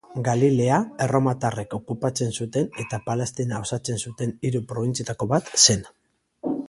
Galilea erromatarrek okupatzen zuten eta Palestina osatzen zuten hiru probintzietako bat zen.